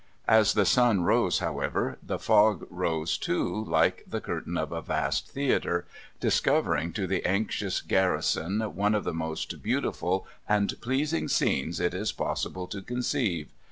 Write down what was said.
As the sun rose, however, the fog rose too like the curtain of a vast theatre, discovering to the anxious garrison one of the most beautiful and pleasing scenes it is possible to conceive.